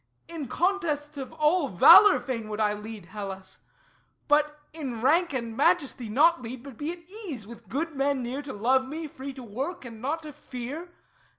In contests of all valour fain would I Lead Hellas; but in rank and majesty Not lead, but be at ease, with good men near To love me, free to work and not to fear.